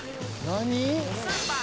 何？